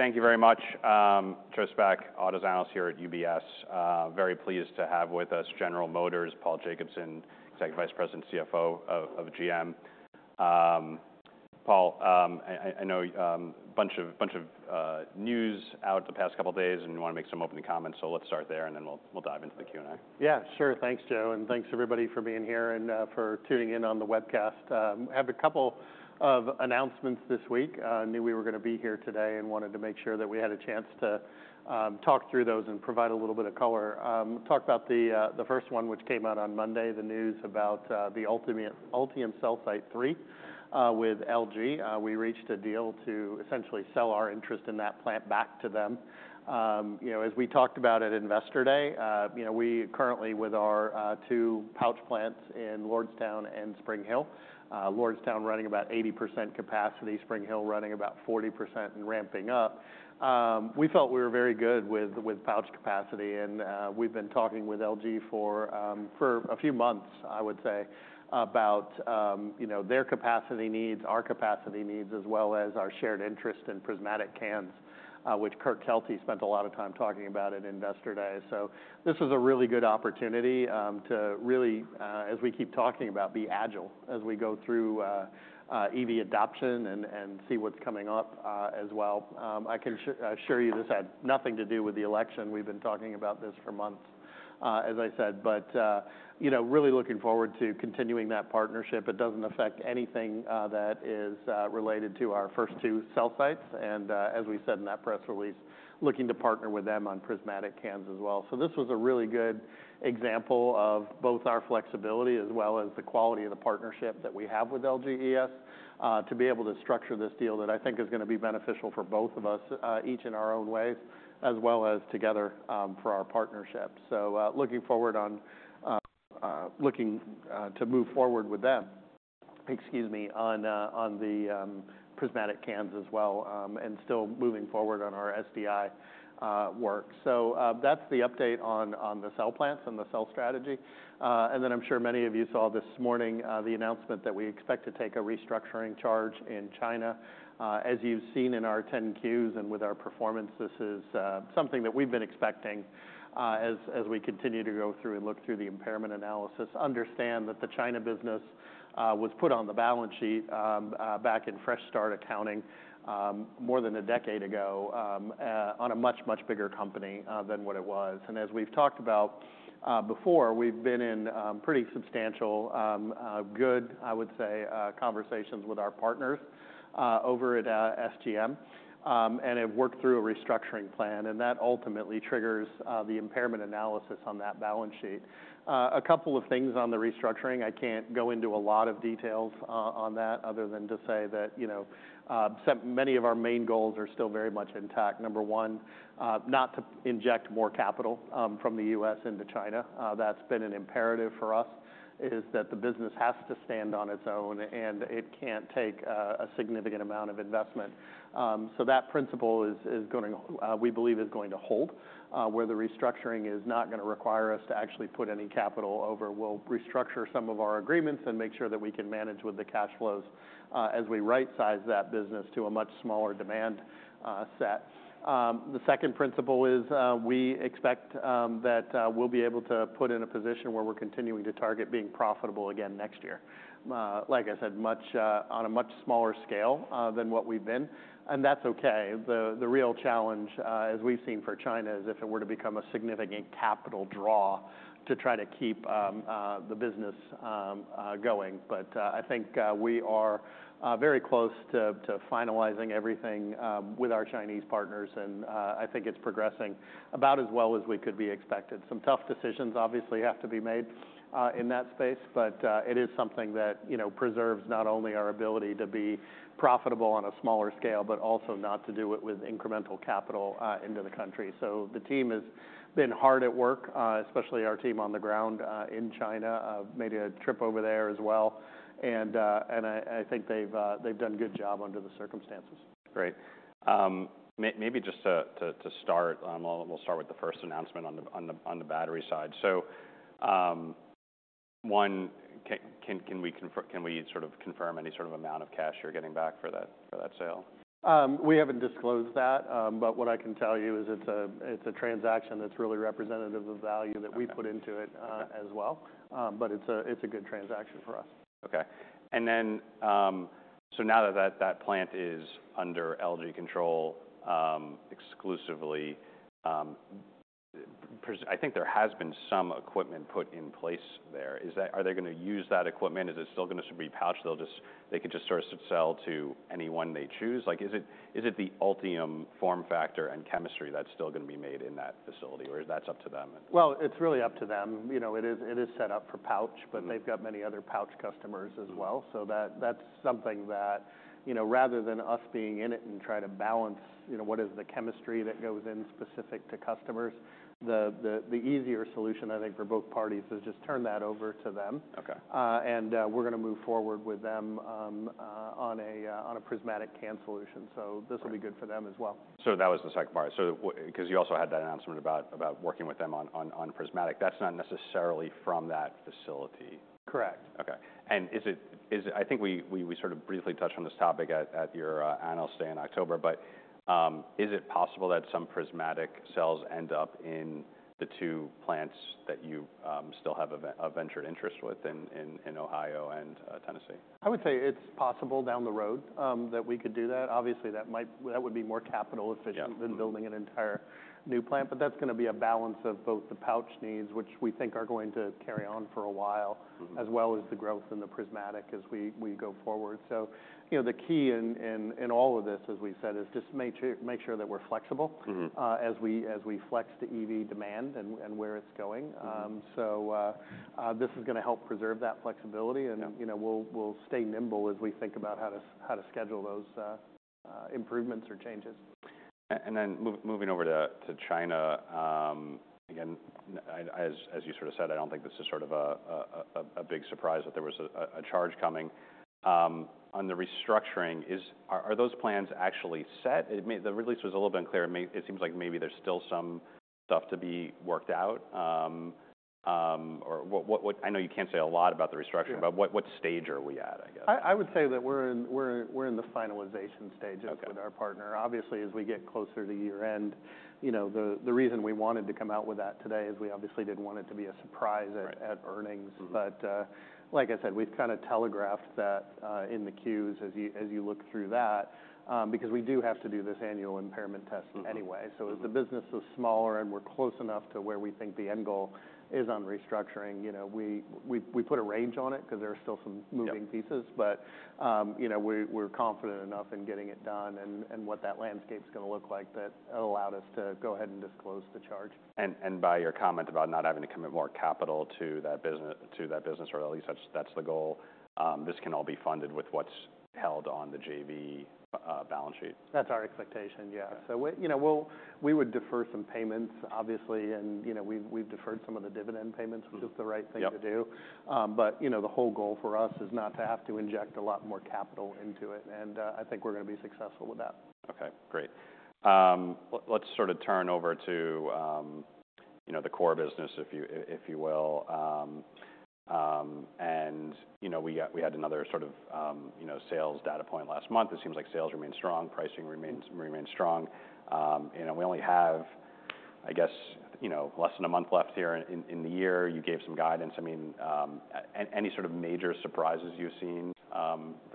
Thank you very much. Joe Spak, our host at UBS. Very pleased to have with us General Motors, Paul Jacobson, Executive Vice President, CFO of GM. Paul, I know a bunch of news over the past couple days, and you wanna make some opening comments, so let's start there, and then we'll dive into the Q&A. Yeah, sure. Thanks, Joe, and thanks everybody for being here and for tuning in on the webcast. I have a couple of announcements this week. I knew we were gonna be here today and wanted to make sure that we had a chance to talk through those and provide a little bit of color. Talk about the first one, which came out on Monday, the news about the Ultium Cells Site 3 with LG. We reached a deal to essentially sell our interest in that plant back to them. You know, as we talked about at Investor Day, you know, we currently with our two pouch plants in Lordstown and Spring Hill. Lordstown running about 80% capacity, Spring Hill running about 40% and ramping up. We felt we were very good with pouch capacity, and we've been talking with LG for a few months, I would say, about, you know, their capacity needs, our capacity needs, as well as our shared interest in prismatic cans, which Kurk Kelty spent a lot of time talking about at Investor Day. This was a really good opportunity to really, as we keep talking about, be agile as we go through EV adoption and see what's coming up, as well. I can show you this had nothing to do with the election. We've been talking about this for months, as I said, but, you know, really looking forward to continuing that partnership. It doesn't affect anything that is related to our first two cell sites. As we said in that press release, looking to partner with them on prismatic cans as well. So this was a really good example of both our flexibility as well as the quality of the partnership that we have with LGES, to be able to structure this deal that I think is gonna be beneficial for both of us, each in our own ways, as well as together, for our partnership. So, looking forward to move forward with them, excuse me, on the prismatic cans as well, and still moving forward on our SDI work. So, that's the update on the cell plants and the cell strategy, and then I'm sure many of you saw this morning, the announcement that we expect to take a restructuring charge in China. As you've seen in our 10-Qs and with our performance, this is something that we've been expecting, as we continue to go through and look through the impairment analysis. Understand that the China business was put on the balance sheet back in fresh start accounting more than a decade ago on a much, much bigger company than what it was. And as we've talked about before, we've been in pretty substantial, good, I would say, conversations with our partners over at SGM, and have worked through a restructuring plan, and that ultimately triggers the impairment analysis on that balance sheet. A couple of things on the restructuring. I can't go into a lot of details on that other than to say that, you know, some many of our main goals are still very much intact. Number one, not to inject more capital from the U.S. into China. That's been an imperative for us: that the business has to stand on its own, and it can't take a significant amount of investment. So that principle is going to, we believe, hold, where the restructuring is not gonna require us to actually put any capital over. We'll restructure some of our agreements and make sure that we can manage with the cash flows, as we right-size that business to a much smaller demand set. The second principle is, we expect that we'll be able to put in a position where we're continuing to target being profitable again next year. Like I said, much on a much smaller scale than what we've been, and that's okay. The real challenge, as we've seen for China, is if it were to become a significant capital draw to try to keep the business going. But I think we are very close to finalizing everything with our Chinese partners, and I think it's progressing about as well as we could be expected. Some tough decisions obviously have to be made in that space, but it is something that you know preserves not only our ability to be profitable on a smaller scale, but also not to do it with incremental capital into the country. So the team has been hard at work, especially our team on the ground in China. I made a trip over there as well, and I think they've done a good job under the circumstances. Great. Maybe just to start, we'll start with the first announcement on the battery side. So, can we sort of confirm any sort of amount of cash you're getting back for that sale? We haven't disclosed that, but what I can tell you is it's a transaction that's really representative of value that we put into it, as well, but it's a good transaction for us. Okay. And then, so now that that plant is under LG control, exclusively, per se, I think there has been some equipment put in place there. Are they gonna use that equipment? Is it still gonna be pouch? They'll just, they could just sort of sell to anyone they choose? Like, is it the Ultium form factor and chemistry that's still gonna be made in that facility, or is that up to them? It's really up to them. You know, it is set up for pouch, but they've got many other pouch customers as well. So that's something that, you know, rather than us being in it and trying to balance, you know, what is the chemistry that goes in specific to customers, the easier solution, I think, for both parties is just turn that over to them. Okay. and, we're gonna move forward with them on a prismatic can solution. So this will be good for them as well. So that was the second part. So 'cause you also had that announcement about working with them on Prismatic. That's not necessarily from that facility. Correct. Okay. And I think we sort of briefly touched on this topic at your analyst day in October, but is it possible that some Prismatic cells end up in the two plants that you still have a vested interest within Ohio and Tennessee? I would say it's possible down the road, that we could do that. Obviously, that might, that would be more capital efficient. Yeah. than building an entire new plant, but that's gonna be a balance of both the pouch needs, which we think are going to carry on for a while. Mm-hmm. As well as the growth in the prismatic as we go forward. So, you know, the key in all of this, as we said, is just make sure that we're flexible. Mm-hmm. as we flex to EV demand and where it's going. Mm-hmm. So, this is gonna help preserve that flexibility. Yeah. You know, we'll stay nimble as we think about how to schedule those improvements or changes. And then moving over to China, again, as you sort of said, I don't think this is sort of a big surprise that there was a charge coming on the restructuring. Are those plans actually set? The release was a little bit unclear. It seems like maybe there's still some stuff to be worked out. I know you can't say a lot about the restructuring. Sure. But what, what stage are we at, I guess? I would say that we're in the finalization stages. Okay. With our partner. Obviously, as we get closer to year-end, you know, the reason we wanted to come out with that today is we obviously didn't want it to be a surprise at. Right. At earnings. Mm-hmm. But, like I said, we've kinda telegraphed that, in the Q's as you look through that, because we do have to do this annual impairment test anyway. Mm-hmm. So as the business is smaller and we're close enough to where we think the end goal is on restructuring, you know, we put a range on it 'cause there are still some moving pieces. Mm-hmm. But, you know, we're confident enough in getting it done and what that landscape's gonna look like that allowed us to go ahead and disclose the charge. By your comment about not having to commit more capital to that business, or at least that's the goal, this can all be funded with what's held on the JV balance sheet. That's our expectation, yeah. Okay. So we, you know, would defer some payments, obviously, and, you know, we've deferred some of the dividend payments. Mm-hmm. Which is the right thing to do. Yeah. but, you know, the whole goal for us is not to have to inject a lot more capital into it, and, I think we're gonna be successful with that. Okay. Great. Let's sort of turn over to, you know, the core business, if you will. And you know, we had another sort of, you know, sales data point last month. It seems like sales remained strong, pricing remains strong. You know, we only have, I guess, you know, less than a month left here in the year. You gave some guidance. I mean, any sort of major surprises you've seen,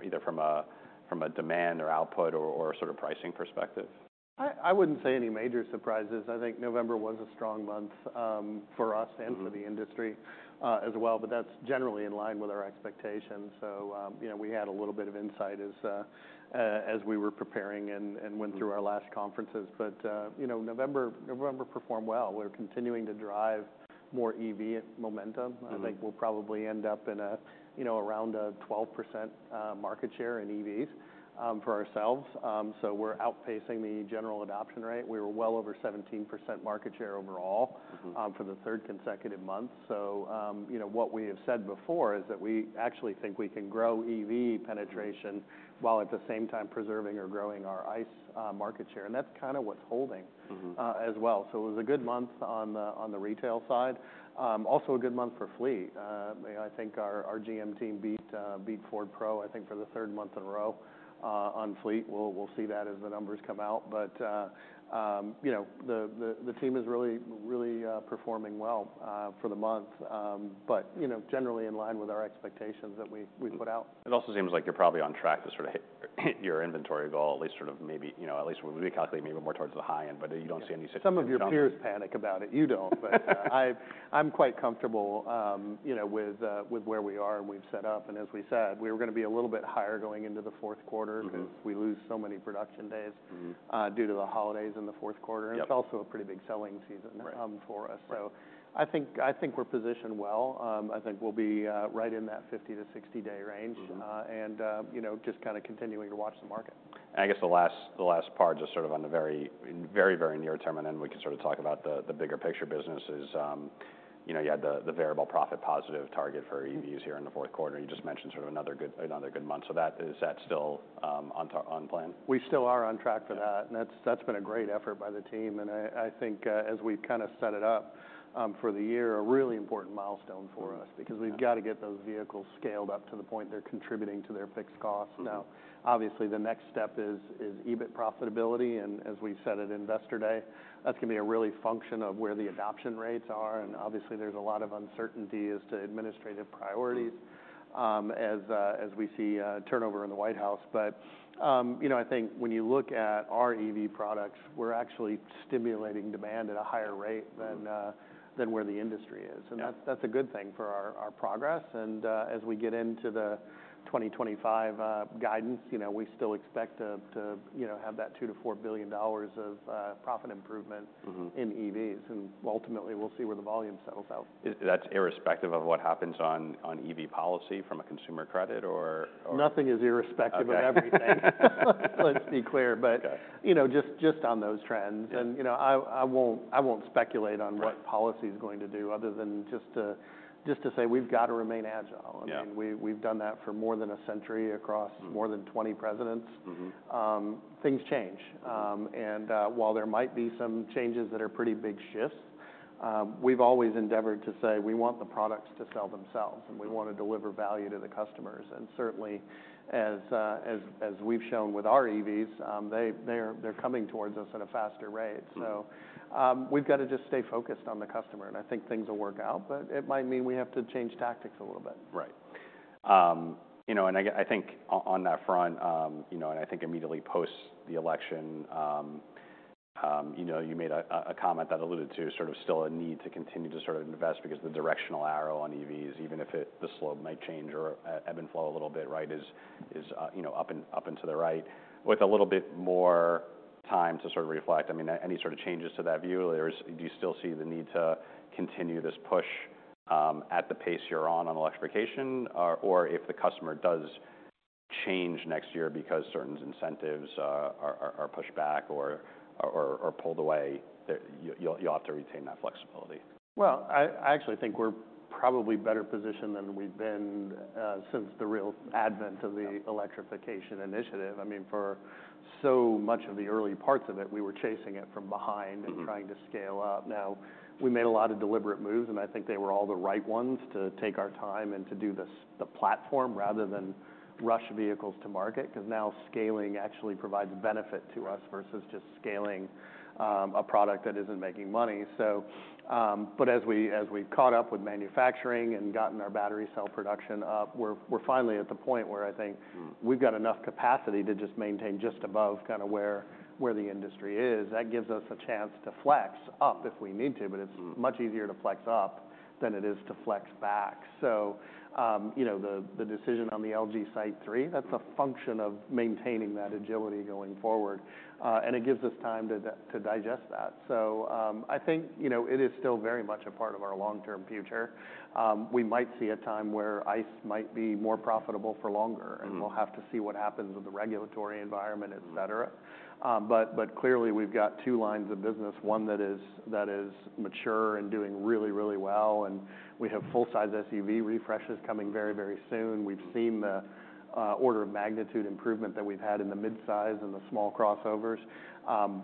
either from a demand or output or sort of pricing perspective? I wouldn't say any major surprises. I think November was a strong month for us and for the industry. Mm-hmm. As well, but that's generally in line with our expectations. So, you know, we had a little bit of insight as we were preparing and went through our last conferences. But, you know, November performed well. We're continuing to drive more EV momentum. Mm-hmm. I think we'll probably end up in a, you know, around a 12% market share in EVs, for ourselves. So we're outpacing the general adoption rate. We were well over 17% market share overall. Mm-hmm. for the third consecutive month. So, you know, what we have said before is that we actually think we can grow EV penetration while at the same time preserving or growing our ICE market share. And that's kinda what's holding. Mm-hmm. As well. So it was a good month on the retail side. Also a good month for fleet. You know, I think our GM team beat Ford Pro, I think, for the third month in a row, on fleet. We'll see that as the numbers come out. But, you know, the team is really, really, performing well for the month, but, you know, generally in line with our expectations that we put out. It also seems like you're probably on track to sort of hit your inventory goal, at least sort of maybe, you know, at least we'll be calculating maybe more towards the high end, but you don't see any significant growth. Some of your peers panic about it. You don't, but I, I'm quite comfortable, you know, with where we are and we've set up, and as we said, we were gonna be a little bit higher going into the fourth quarter. Mm-hmm. 'Cause we lose so many production days. Mm-hmm. Due to the holidays in the fourth quarter. Yep. It's also a pretty big selling season. Right. for us. So I think, I think we're positioned well. I think we'll be right in that 50-60 day range. Mm-hmm. And, you know, just kinda continuing to watch the market. I guess the last part, just sort of on the very near term, and then we can sort of talk about the bigger picture business. You know, you had the variable profit positive target for EVs here in the fourth quarter. You just mentioned sort of another good month. So is that still on target on plan? We still are on track for that. Mm-hmm. That's been a great effort by the team. I think, as we've kinda set it up, for the year, a really important milestone for us. Mm-hmm. Because we've gotta get those vehicles scaled up to the point they're contributing to their fixed costs. Mm-hmm. Now, obviously, the next step is EBIT profitability. And as we said at investor day, that's gonna be a real function of where the adoption rates are. And obviously, there's a lot of uncertainty as to administration's priorities, as we see turnover in the White House. But, you know, I think when you look at our EV products, we're actually stimulating demand at a higher rate than where the industry is. Mm-hmm. That's a good thing for our progress. As we get into the 2025 guidance, you know, we still expect to have that $2 billion-$4 billion of profit improvement. Mm-hmm. In EVs, and ultimately, we'll see where the volume settles out. Is that irrespective of what happens on EV policy from a consumer credit or? Nothing is irrespective of everything. Okay. Let's be clear. Okay. You know, just, just on those trends. Mm-hmm. You know, I won't speculate on what policy's going to do other than just to say we've gotta remain agile. Yeah. I mean, we've done that for more than a century across. Mm-hmm. More than 20 presidents. Mm-hmm. things change. Mm-hmm. And, while there might be some changes that are pretty big shifts, we've always endeavored to say we want the products to sell themselves. Mm-hmm. And we wanna deliver value to the customers. And certainly, as we've shown with our EVs, they're coming towards us at a faster rate. Mm-hmm. So, we've gotta just stay focused on the customer, and I think things will work out, but it might mean we have to change tactics a little bit. Right. You know, and I think on that front, you know, and I think immediately post the election, you know, you made a comment that alluded to sort of still a need to continue to sort of invest because the directional arrow on EVs, even if the slope might change or even flow a little bit, right, is, you know, up and up and to the right with a little bit more time to sort of reflect. I mean, any sort of changes to that view, or do you still see the need to continue this push, at the pace you're on on electrification, or if the customer does change next year because certain incentives are pushed back or pulled away, that you'll have to retain that flexibility? I actually think we're probably better positioned than we've been, since the real advent of the. Mm-hmm. Electrification initiative. I mean, for so much of the early parts of it, we were chasing it from behind. Mm-hmm. Trying to scale up. Now, we made a lot of deliberate moves, and I think they were all the right ones to take our time and to do the platform rather than rush vehicles to market 'cause now scaling actually provides benefit to us versus just scaling a product that isn't making money. So, but as we've caught up with manufacturing and gotten our battery cell production up, we're finally at the point where I think. Mm-hmm. We've got enough capacity to just maintain above kinda where the industry is. That gives us a chance to flex up if we need to, but it's. Mm-hmm. Much easier to flex up than it is to flex back. So, you know, the decision on the LG site three, that's a function of maintaining that agility going forward, and it gives us time to digest that. So, I think, you know, it is still very much a part of our long-term future. We might see a time where ICE might be more profitable for longer. Mm-hmm. We'll have to see what happens with the regulatory environment, etc. Mm-hmm. But clearly, we've got two lines of business, one that is mature and doing really, really well, and we have full-size SUV refreshes coming very, very soon. Mm-hmm. We've seen the order of magnitude improvement that we've had in the mid-size and the small crossovers.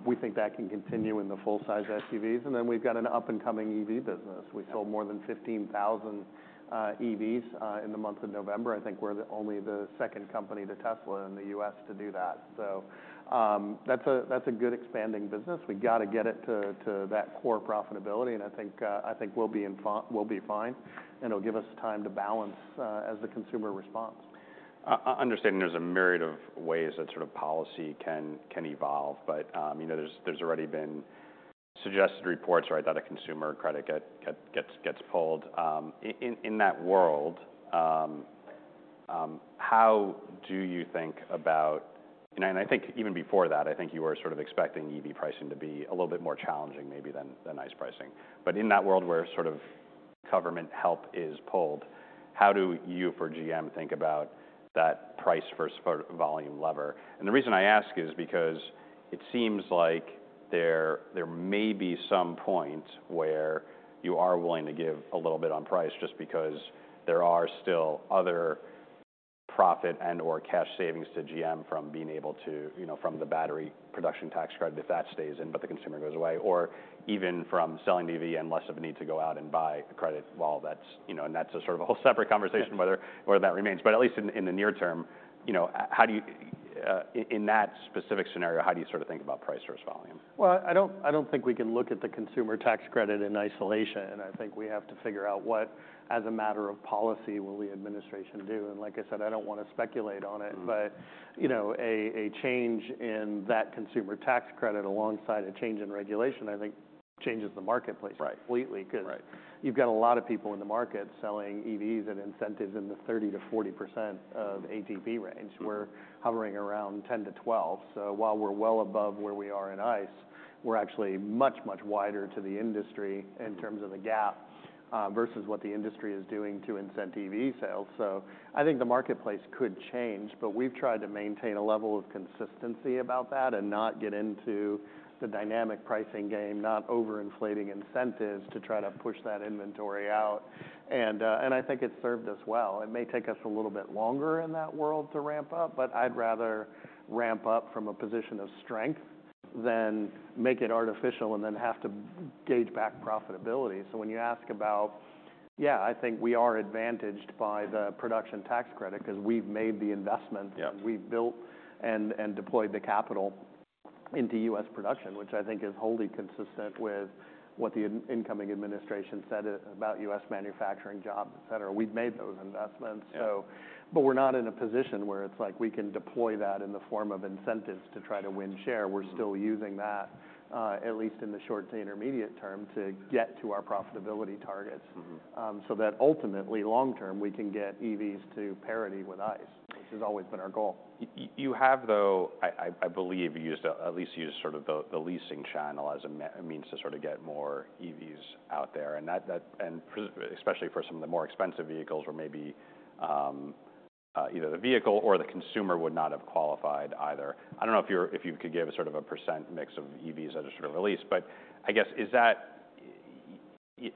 We think that can continue in the full-size SUVs, and then we've got an up-and-coming EV business. Mm-hmm. We sold more than 15,000 EVs in the month of November. I think we're only the second company to Tesla in the U.S. to do that. So, that's a good expanding business. We gotta get it to that core profitability. And I think we'll be fine, and it'll give us time to balance as the consumer response. Understanding there's a myriad of ways that sort of policy can evolve, but, you know, there's already been suggested reports, right, that a consumer credit gets pulled. In that world, how do you think about and I think even before that, I think you were sort of expecting EV pricing to be a little bit more challenging maybe than ICE pricing. But in that world where sort of government help is pulled, how do you for GM think about that price versus volume lever? And the reason I ask is because it seems like there may be some point where you are willing to give a little bit on price just because there are still other profit and/or cash savings to GM from being able to, you know, from the battery production tax credit if that stays in, but the consumer goes away, or even from selling the EV and less of a need to go out and buy a credit while that's, you know, and that's a sort of a whole separate conversation whether that remains. But at least in the near term, you know, how do you, in that specific scenario, how do you sort of think about price versus volume? I don't think we can look at the consumer tax credit in isolation. I think we have to figure out what, as a matter of policy, will the administration do, and like I said, I don't wanna speculate on it. Mm-hmm. But, you know, a change in that consumer tax credit alongside a change in regulation, I think changes the marketplace completely. Right. Right. 'Cause you've got a lot of people in the market selling EVs at incentives in the 30%-40% of ATP range. Mm-hmm. We're hovering around 10-12. So while we're well above where we are in ICE, we're actually much, much wider to the industry in terms of the gap, versus what the industry is doing to incent EV sales. So I think the marketplace could change, but we've tried to maintain a level of consistency about that and not get into the dynamic pricing game, not overinflate incentives to try to push that inventory out. And, and I think it's served us well. It may take us a little bit longer in that world to ramp up, but I'd rather ramp up from a position of strength than make it artificial and then have to dial back profitability. So when you ask about, yeah, I think we are advantaged by the production tax credit 'cause we've made the investment. Yeah. We've built and deployed the capital into U.S. production, which I think is wholly consistent with what the incoming administration said about U.S. manufacturing jobs, etc. We've made those investments. Yeah. So, but we're not in a position where it's like we can deploy that in the form of incentives to try to win share. Mm-hmm. We're still using that, at least in the short to intermediate term to get to our profitability targets. Mm-hmm. So that ultimately, long term, we can get EVs to parity with ICE, which has always been our goal. You have though. I believe you used at least sort of the leasing channel as a means to sort of get more EVs out there. And that, particularly especially for some of the more expensive vehicles where maybe either the vehicle or the consumer would not have qualified either. I don't know if you could give sort of a percent mix of EVs that are sort of released, but I guess is that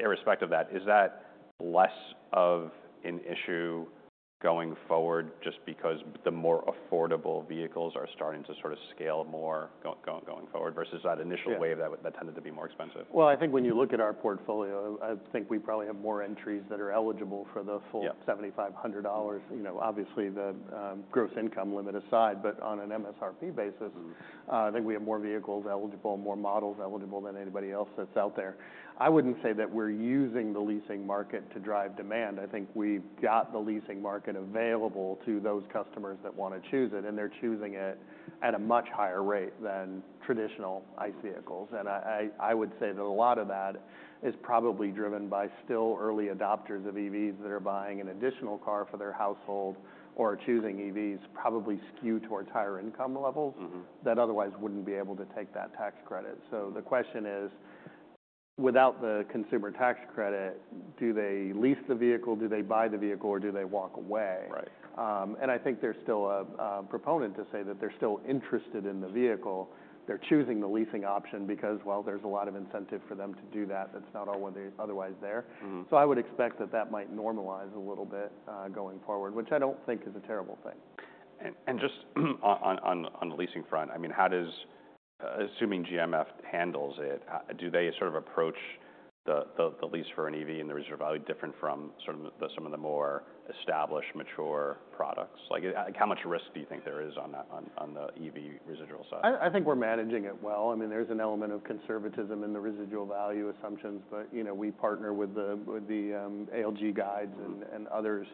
irrespective of that, is that less of an issue going forward just because the more affordable vehicles are starting to sort of scale more going forward versus that initial wave that tended to be more expensive? I think when you look at our portfolio, I think we probably have more entries that are eligible for the full. Yeah. $7,500. You know, obviously, the gross income limit aside, but on an MSRP basis. Mm-hmm. I think we have more vehicles eligible, more models eligible than anybody else that's out there. I wouldn't say that we're using the leasing market to drive demand. I think we've got the leasing market available to those customers that wanna choose it, and they're choosing it at a much higher rate than traditional ICE vehicles. And I would say that a lot of that is probably driven by still early adopters of EVs that are buying an additional car for their household or choosing EVs probably skewed towards higher income levels. Mm-hmm. That otherwise wouldn't be able to take that tax credit. So the question is, without the consumer tax credit, do they lease the vehicle, do they buy the vehicle, or do they walk away? Right. And I think there's still a proponent to say that they're still interested in the vehicle. They're choosing the leasing option because, well, there's a lot of incentive for them to do that that's not always otherwise there. Mm-hmm. So I would expect that that might normalize a little bit, going forward, which I don't think is a terrible thing. Just on the leasing front, I mean, how does, assuming GMF handles it, do they sort of approach the lease for an EV and the residual value different from sort of some of the more established mature products? Like, how much risk do you think there is on that, the EV residual side? I think we're managing it well. I mean, there's an element of conservatism in the residual value assumptions, but, you know, we partner with the ALG guides and others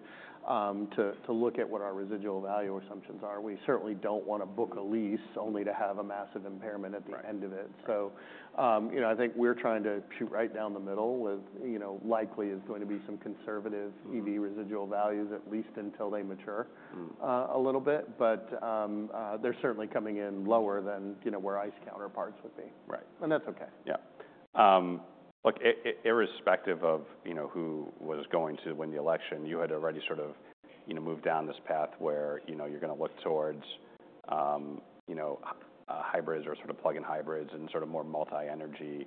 to look at what our residual value assumptions are. We certainly don't wanna book a lease only to have a massive impairment at the end of it. Right. You know, I think we're trying to shoot right down the middle with, you know, likely is going to be some conservative EV residual values, at least until they mature. Mm-hmm. A little bit, but they're certainly coming in lower than, you know, where ICE counterparts would be. Right. That's okay. Yeah. Look, irrespective of, you know, who was going to win the election, you had already sort of, you know, moved down this path where, you know, you're gonna look towards, you know, hybrids or sort of plug-in hybrids and sort of more multi-energy,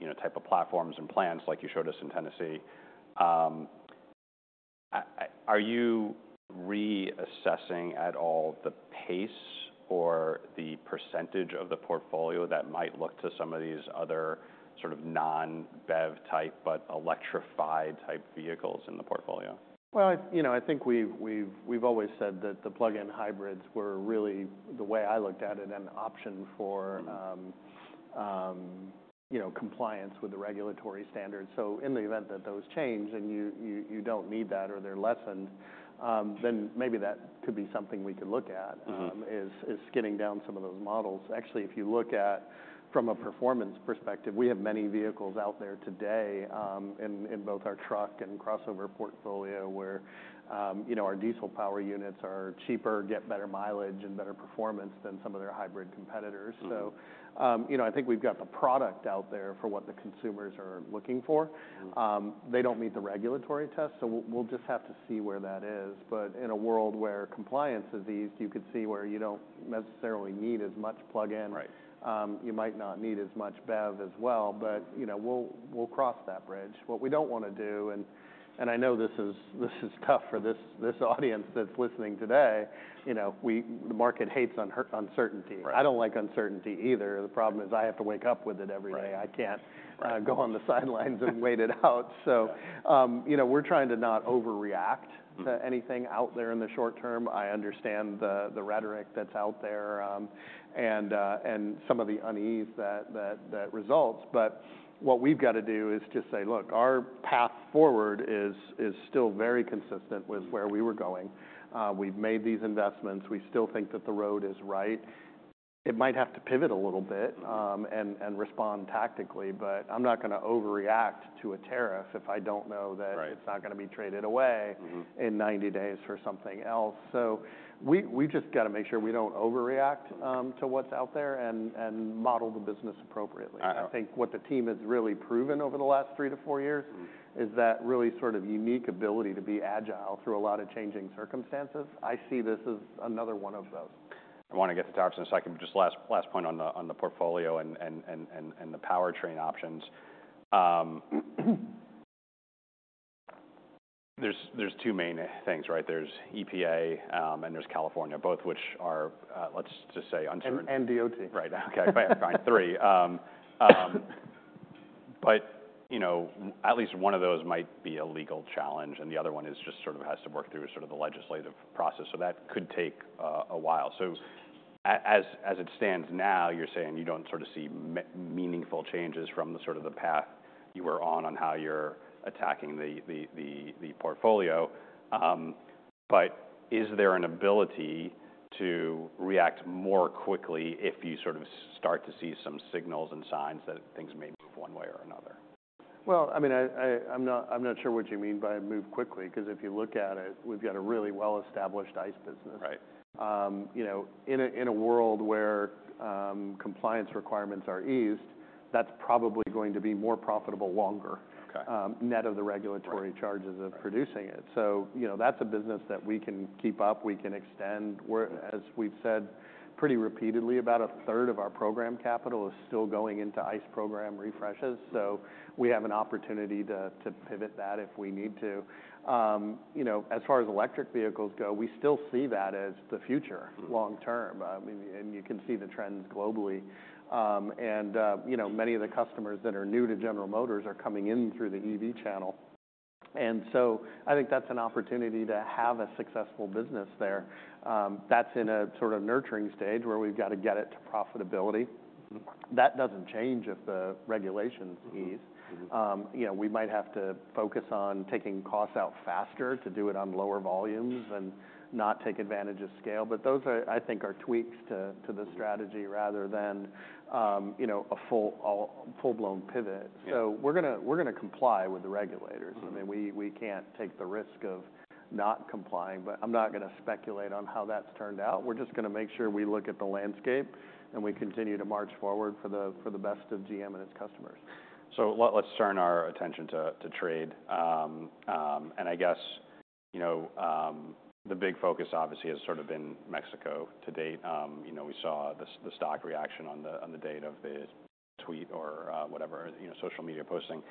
you know, type of platforms and plans like you showed us in Tennessee. Are you reassessing at all the pace or the percentage of the portfolio that might look to some of these other sort of non-BEV type but electrified type vehicles in the portfolio? I think we've always said that the plug-in hybrids were really the way I looked at it an option for you know compliance with the regulatory standards. So in the event that those change and you don't need that or they're lessened, then maybe that could be something we could look at. Mm-hmm. is skinning down some of those models. Actually, if you look at from a performance perspective, we have many vehicles out there today, in both our truck and crossover portfolio where, you know, our diesel power units are cheaper, get better mileage and better performance than some of their hybrid competitors. Mm-hmm. So, you know, I think we've got the product out there for what the consumers are looking for. Mm-hmm. They don't meet the regulatory test, so we'll just have to see where that is. But in a world where compliance is eased, you could see where you don't necessarily need as much plug-in. Right. You might not need as much BEV as well, but, you know, we'll cross that bridge. What we don't wanna do, and I know this is tough for this audience that's listening today, you know, the market hates uncertainty. Right. I don't like uncertainty either. The problem is I have to wake up with it every day. Right. I can't go on the sidelines and wait it out. So, you know, we're trying to not overreact. Mm-hmm. To anything out there in the short term. I understand the rhetoric that's out there, and some of the unease that results. But what we've gotta do is just say, "Look, our path forward is still very consistent with where we were going. We've made these investments. We still think that the road is right. It might have to pivot a little bit. Mm-hmm. and respond tactically, but I'm not gonna overreact to a tariff if I don't know that. Right. It's not gonna be traded away. Mm-hmm. In 90 days for something else." So we just gotta make sure we don't overreact to what's out there and model the business appropriately. I know. I think what the team has really proven over the last three to four years. Mm-hmm. Is that really sort of unique ability to be agile through a lot of changing circumstances? I see this as another one of those. I wanna get to tires in a second, but just last point on the portfolio and the powertrain options. There's two main things, right? There's EPA, and there's California, both which are, let's just say uncertain. And DOT. Right. Okay. Fine. Three, but you know, at least one of those might be a legal challenge, and the other one is just sort of has to work through sort of the legislative process. So that could take a while. So as it stands now, you're saying you don't sort of see meaningful changes from sort of the path you were on, on how you're attacking the portfolio, but is there an ability to react more quickly if you sort of start to see some signals and signs that things may move one way or another? I mean, I'm not sure what you mean by move quickly 'cause if you look at it, we've got a really well-established ICE business. Right. You know, in a world where compliance requirements are eased, that's probably going to be more profitable longer. Okay. Net of the regulatory charges of producing it. So, you know, that's a business that we can keep up. We can extend. We're, as we've said pretty repeatedly, about a third of our program capital is still going into ICE program refreshes. So we have an opportunity to pivot that if we need to. You know, as far as electric vehicles go, we still see that as the future long term. I mean, and you can see the trends globally. And, you know, many of the customers that are new to General Motors are coming in through the EV channel. And so I think that's an opportunity to have a successful business there. That's in a sort of nurturing stage where we've gotta get it to profitability. Mm-hmm. That doesn't change if the regulations ease. Mm-hmm. You know, we might have to focus on taking costs out faster to do it on lower volumes and not take advantage of scale. But those are, I think, tweaks to the strategy rather than, you know, a full-blown pivot. Mm-hmm. So we're gonna comply with the regulators. Mm-hmm. I mean, we can't take the risk of not complying, but I'm not gonna speculate on how that's turned out. We're just gonna make sure we look at the landscape and we continue to march forward for the best of GM and its customers. Let's turn our attention to trade, and I guess, you know, the big focus obviously has sort of been Mexico to date. You know, we saw the stock reaction on the date of the tweet or, whatever, you know, social media posting.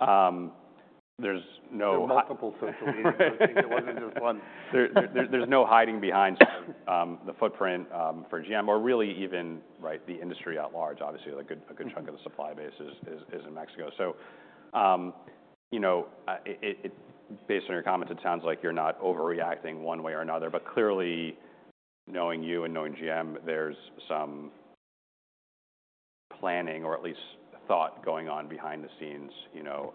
There's no. There were multiple social media postings. It wasn't just one. There's no hiding behind the footprint for GM or really even, right, the industry at large. Obviously, a good chunk of the supply base is in Mexico. So, you know, it based on your comments, it sounds like you're not overreacting one way or another, but clearly, knowing you and knowing GM, there's some planning or at least thought going on behind the scenes, you know,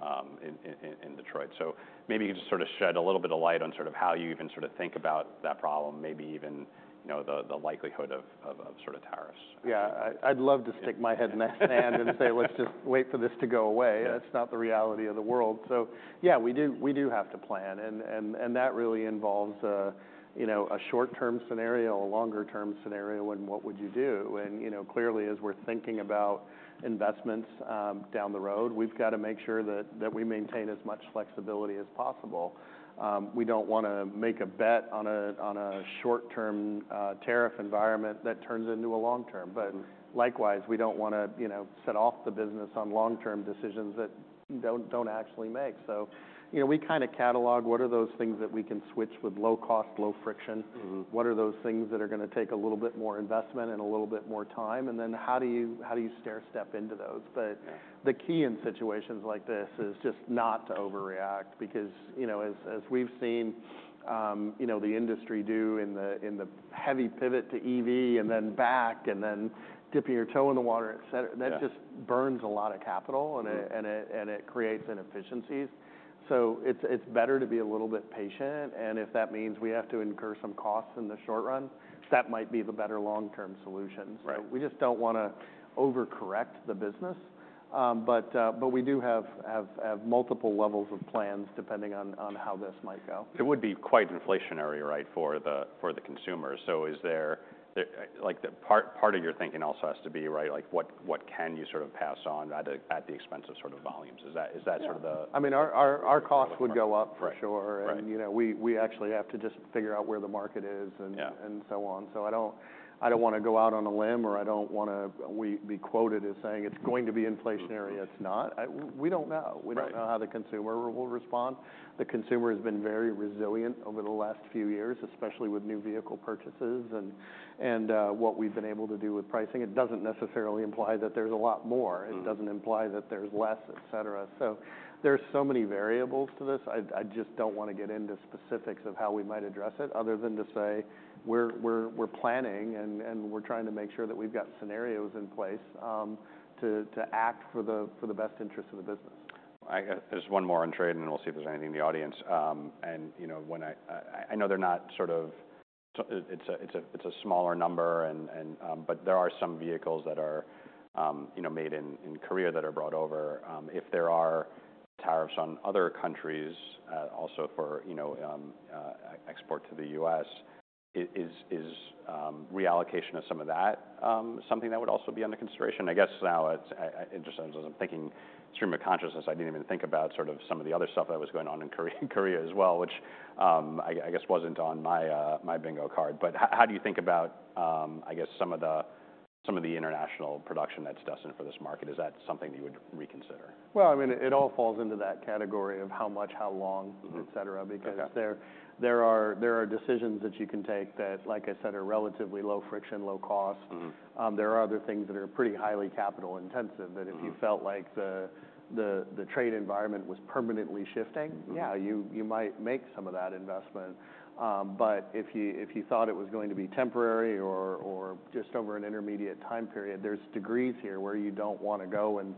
in Detroit. So maybe you could just sort of shed a little bit of light on sort of how you even sort of think about that problem, maybe even, you know, the likelihood of sort of tariffs. Yeah. I'd love to stick my head in that sand and say, "Let's just wait for this to go away." That's not the reality of the world. So yeah, we do have to plan. And that really involves, you know, a short-term scenario, a longer-term scenario, and what would you do? And, you know, clearly, as we're thinking about investments down the road, we've gotta make sure that we maintain as much flexibility as possible. We don't wanna make a bet on a short-term tariff environment that turns into a long-term. But likewise, we don't wanna, you know, set off the business on long-term decisions that don't actually make. So, you know, we kinda catalog what are those things that we can switch with low cost, low friction. Mm-hmm. What are those things that are gonna take a little bit more investment and a little bit more time? And then how do you, how do you stair-step into those? But the key in situations like this is just not to overreact because, you know, as, as we've seen, you know, the industry doing the heavy pivot to EV and then back and then dipping your toe in the water, etc. Mm-hmm. That just burns a lot of capital and it. Right. It creates inefficiencies. It's better to be a little bit patient. If that means we have to incur some costs in the short run, that might be the better long-term solution. Right. So we just don't wanna overcorrect the business. But we do have multiple levels of plans depending on how this might go. It would be quite inflationary, right, for the consumers. So is there, like the part of your thinking also has to be, right, like what can you sort of pass on at the expense of sort of volumes? Is that sort of the. Yeah. I mean, our costs would go up for sure. Right. You know, we actually have to just figure out where the market is and. Yeah. I don't wanna go out on a limb or I don't wanna we be quoted as saying it's going to be inflationary. It's not. We don't know. Right. We don't know how the consumer will respond. The consumer has been very resilient over the last few years, especially with new vehicle purchases and what we've been able to do with pricing. It doesn't necessarily imply that there's a lot more. Right. It doesn't imply that there's less, etc. So there's so many variables to this. I just don't wanna get into specifics of how we might address it other than to say we're planning and we're trying to make sure that we've got scenarios in place to act for the best interest of the business. I've got one more on trade and then we'll see if there's anything in the audience. And, you know, when I know they're not sort of it's a smaller number and but there are some vehicles that are, you know, made in Korea that are brought over. If there are tariffs on other countries, also for, you know, export to the U.S., is reallocation of some of that something that would also be under consideration? I guess now it's I just, as I'm thinking stream of consciousness, I didn't even think about sort of some of the other stuff that was going on in Korea as well, which I guess wasn't on my bingo card. But how do you think about, I guess some of the international production that's destined for this market? Is that something that you would reconsider? Well, I mean, it all falls into that category of how much, how long. Mm-hmm. Etc. Okay. Because there are decisions that you can take that, like I said, are relatively low friction, low cost. Mm-hmm. There are other things that are pretty highly capital intensive that if you felt like the trade environment was permanently shifting. Mm-hmm. You know, you might make some of that investment, but if you thought it was going to be temporary or just over an intermediate time period, there's degrees here where you don't wanna go and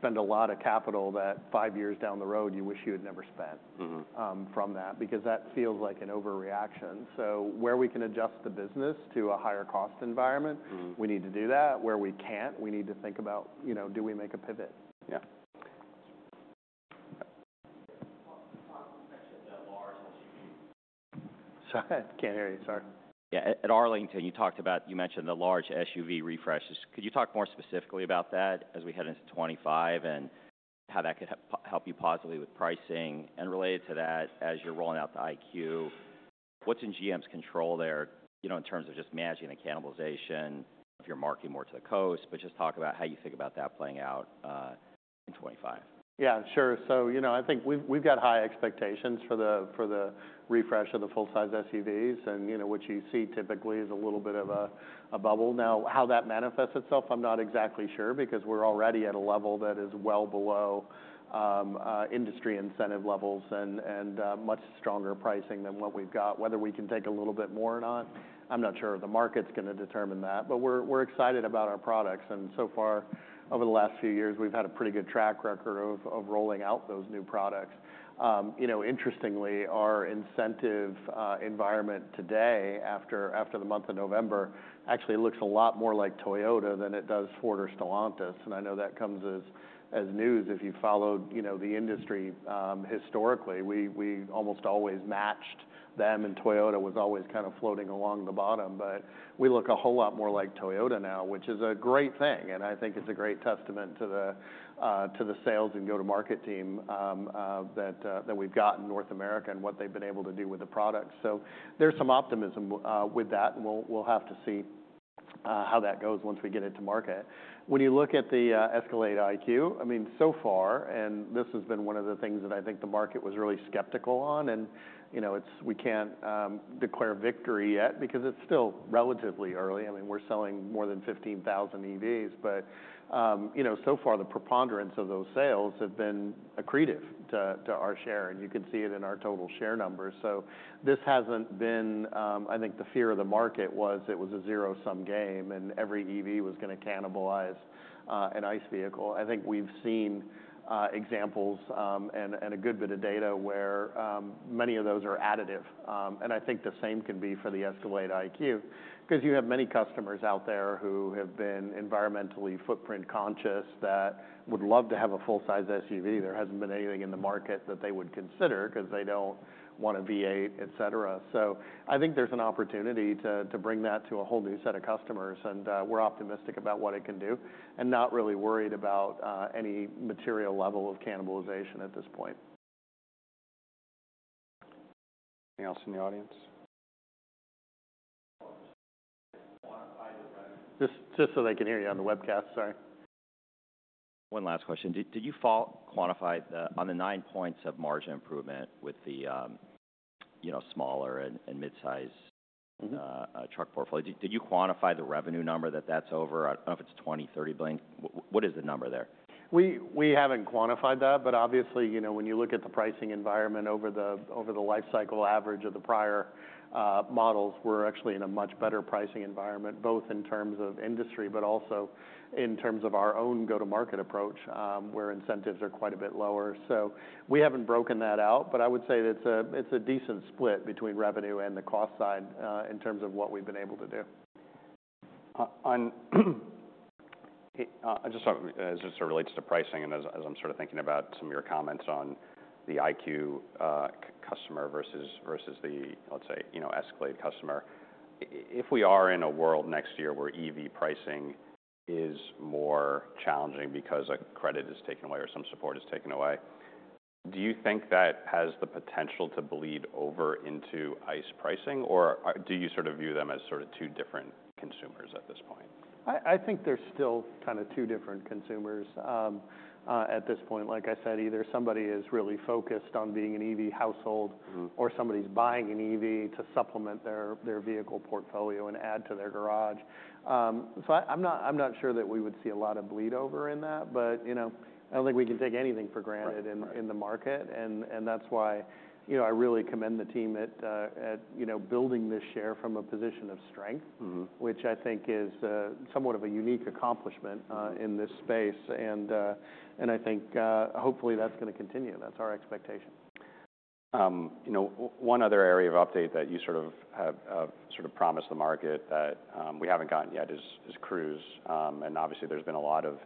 spend a lot of capital that five years down the road you wish you had never spent. Mm-hmm. from that because that feels like an overreaction. So where we can adjust the business to a higher cost environment. Mm-hmm. We need to do that. Where we can't, we need to think about, you know, do we make a pivot? Yeah. Sorry. I can't hear you. Sorry. Yeah. At Arlington, you talked about, you mentioned the large SUV refreshes. Could you talk more specifically about that as we head into 2025 and how that could help you positively with pricing? And related to that, as you're rolling out the IQ, what's in GM's control there, you know, in terms of just managing the cannibalization if you're marketing more to the coast? But just talk about how you think about that playing out, in 2025. Yeah. Sure. So, you know, I think we've got high expectations for the refresh of the full-size SUVs and, you know, which you see typically as a little bit of a bubble. Now, how that manifests itself, I'm not exactly sure because we're already at a level that is well below industry incentive levels and much stronger pricing than what we've got. Whether we can take a little bit more or not, I'm not sure. The market's gonna determine that, but we're excited about our products. And so far, over the last few years, we've had a pretty good track record of rolling out those new products. You know, interestingly, our incentive environment today after the month of November actually looks a lot more like Toyota than it does Ford or Stellantis. I know that comes as news if you followed, you know, the industry, historically. We almost always matched them and Toyota was always kind of floating along the bottom. But we look a whole lot more like Toyota now, which is a great thing. I think it's a great testament to the sales and go-to-market team that we've got in North America and what they've been able to do with the products. So there's some optimism with that. We'll have to see how that goes once we get it to market. When you look at the Escalade IQ, I mean, so far, and this has been one of the things that I think the market was really skeptical on, and, you know, it's, we can't declare victory yet because it's still relatively early. I mean, we're selling more than 15,000 EVs, but you know, so far the preponderance of those sales have been accretive to our share. And you can see it in our total share numbers. So this hasn't been. I think the fear of the market was it was a zero-sum game and every EV was gonna cannibalize an ICE vehicle. I think we've seen examples and a good bit of data where many of those are additive. And I think the same can be for the Escalade IQ 'cause you have many customers out there who have been environmentally footprint conscious that would love to have a full-size SUV. There hasn't been anything in the market that they would consider 'cause they don't wanna V8, etc. So I think there's an opportunity to bring that to a whole new set of customers. We're optimistic about what it can do and not really worried about any material level of cannibalization at this point. Anything else in the audience? Quantify the revenue. Just so they can hear you on the webcast. Sorry. One last question. Did you fully quantify the nine points of margin improvement with the, you know, smaller and mid-size? Mm-hmm. truck portfolio? Did you quantify the revenue number that that's over? I don't know if it's $20-$30 billion. What is the number there? We haven't quantified that, but obviously, you know, when you look at the pricing environment over the lifecycle average of the prior models, we're actually in a much better pricing environment both in terms of industry but also in terms of our own go-to-market approach, where incentives are quite a bit lower. So we haven't broken that out, but I would say it's a decent split between revenue and the cost side, in terms of what we've been able to do. Just talk as it sort of relates to pricing and as I'm sort of thinking about some of your comments on the IQ, customer versus the, let's say, you know, Escalade customer. If we are in a world next year where EV pricing is more challenging because a credit is taken away or some support is taken away, do you think that has the potential to bleed over into ICE pricing or do you sort of view them as sort of two different consumers at this point? I think they're still kinda two different consumers, at this point. Like I said, either somebody is really focused on being an EV household. Mm-hmm. Or somebody's buying an EV to supplement their vehicle portfolio and add to their garage. So I'm not sure that we would see a lot of bleed over in that, but you know, I don't think we can take anything for granted in the market. Right. That's why, you know, I really commend the team at, you know, building this share from a position of strength. Mm-hmm. Which I think is somewhat of a unique accomplishment in this space. And I think, hopefully that's gonna continue. That's our expectation. You know, one other area of update that you sort of have sort of promised the market that we haven't gotten yet is Cruise, and obviously there's been a lot of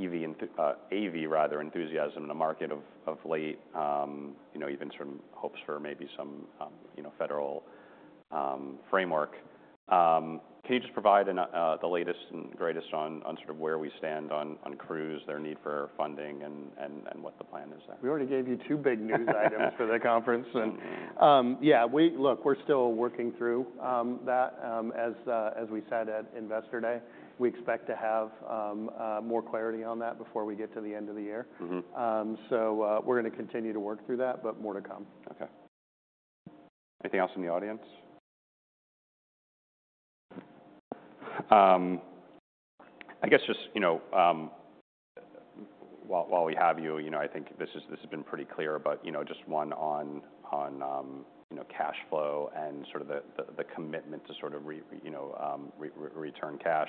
EV and AV enthusiasm in the market of late, you know, even certain hopes for maybe some you know federal framework. Can you just provide the latest and greatest on sort of where we stand on Cruise, their need for funding and what the plan is there? We already gave you two big news items for the conference, and, yeah, we're still working through that, as we said at Investor Day, we expect to have more clarity on that before we get to the end of the year. Mm-hmm. So, we're gonna continue to work through that, but more to come. Okay. Anything else in the audience? I guess just, you know, while we have you, you know, I think this is, this has been pretty clear, but, you know, just one on, you know, cash flow and sort of the commitment to sort of return cash,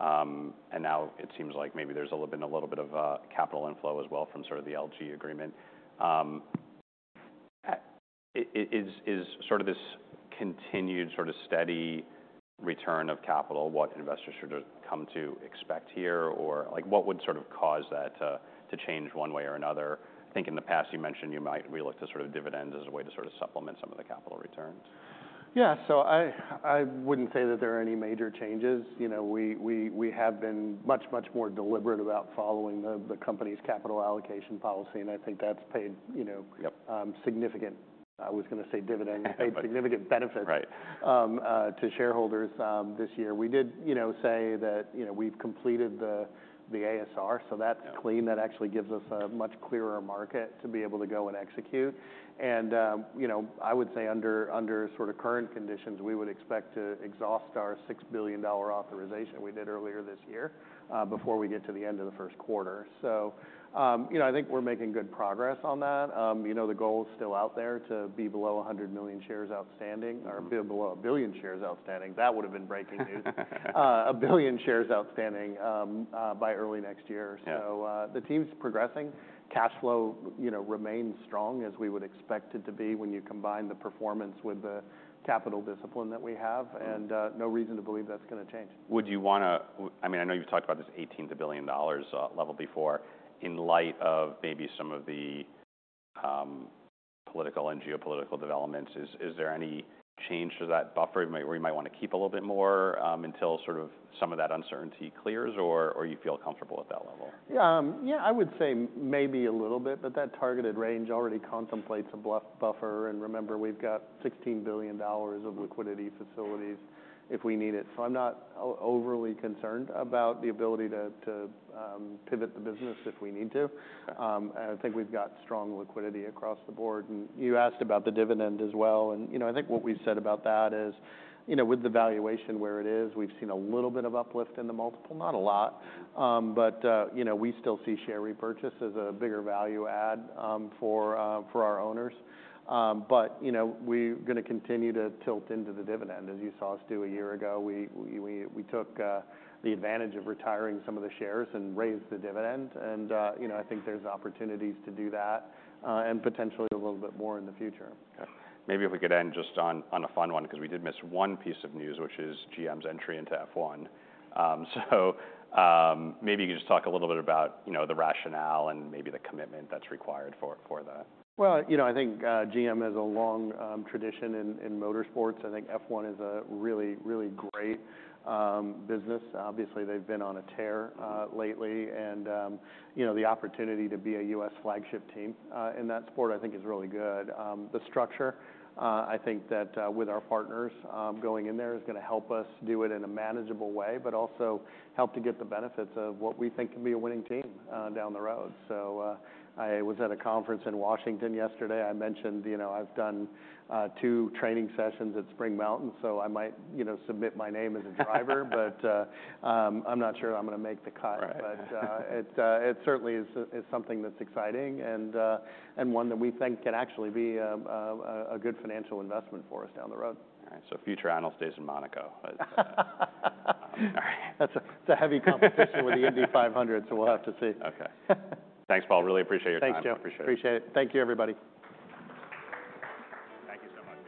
and now it seems like maybe there's a little bit of capital inflow as well from sort of the LG agreement. Is this continued sort of steady return of capital what investors should come to expect here or like what would sort of cause that to change one way or another? I think in the past you mentioned you might relook to sort of dividends as a way to sort of supplement some of the capital returns. Yeah. So I wouldn't say that there are any major changes. You know, we have been much more deliberate about following the company's capital allocation policy. And I think that's paid, you know. Yep. significant. I was gonna say dividends. Yeah. Paid significant benefits. Right. to shareholders, this year. We did, you know, say that, you know, we've completed the ASR. So that's. Yeah. Clean. That actually gives us a much clearer market to be able to go and execute, and you know, I would say under sort of current conditions, we would expect to exhaust our $6 billion authorization we did earlier this year, before we get to the end of the first quarter. So, you know, I think we're making good progress on that. You know, the goal's still out there to be below 100 million shares outstanding or be below a billion shares outstanding. That would've been breaking news. A billion shares outstanding by early next year. Yeah. So, the team's progressing. Cash flow, you know, remains strong as we would expect it to be when you combine the performance with the capital discipline that we have. Mm-hmm. No reason to believe that's gonna change. Would you wanna? I mean, I know you've talked about this $18 billion level before in light of maybe some of the political and geopolitical developments. Is there any change to that buffer? You might, we might wanna keep a little bit more until sort of some of that uncertainty clears or you feel comfortable at that level? Yeah, I would say maybe a little bit, but that targeted range already contemplates a buffer. And remember, we've got $16 billion of liquidity facilities if we need it. So I'm not overly concerned about the ability to pivot the business if we need to. Okay. And I think we've got strong liquidity across the board. And you asked about the dividend as well. And, you know, I think what we've said about that is, you know, with the valuation where it is, we've seen a little bit of uplift in the multiple, not a lot. But, you know, we still see share repurchase as a bigger value add for our owners. But, you know, we're gonna continue to tilt into the dividend as you saw us do a year ago. We took the advantage of retiring some of the shares and raised the dividend. And, you know, I think there's opportunities to do that, and potentially a little bit more in the future. Okay. Maybe if we could end just on a fun one 'cause we did miss one piece of news, which is GM's entry into F1. So, maybe you could just talk a little bit about, you know, the rationale and maybe the commitment that's required for that. You know, I think GM has a long tradition in motorsports. I think F1 is a really, really great business. Obviously, they've been on a tear lately. You know, the opportunity to be a U.S. flagship team in that sport I think is really good. The structure, I think that with our partners going in there is gonna help us do it in a manageable way, but also help to get the benefits of what we think can be a winning team down the road. I was at a conference in Washington yesterday. I mentioned, you know, I've done two training sessions at Spring Mountain, so I might, you know, submit my name as a driver, but I'm not sure I'm gonna make the cut. Right. It certainly is something that's exciting and one that we think can actually be a good financial investment for us down the road. All right, so future Analyst Days in Monaco. That's, it's a heavy competition with the Indy 500, so we'll have to see. Okay. Thanks, Paul. Really appreciate your time. Thanks, Joe. I appreciate it. Appreciate it. Thank you, everybody. Thank you so much.